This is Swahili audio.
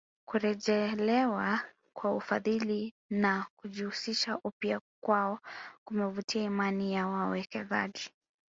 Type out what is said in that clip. Kurejelewa kwa ufadhili na kujihusisha upya kwao kumevutia imani ya wawekezaji